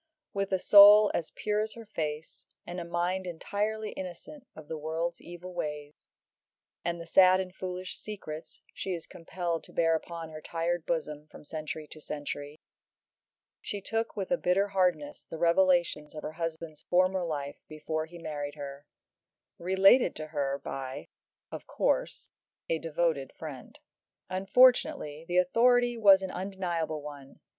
With a soul as pure as her face, and a mind entirely innocent of the world's evil ways and the sad and foolish secrets she is compelled to bear upon her tired bosom from century to century she took with a bitter hardness the revelations of her husband's former life before he married her, related to her by of course a devoted friend. Unfortunately the authority was an undeniable one.